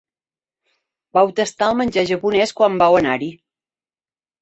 Vau tastar el menjar japonès quan vau anar-hi.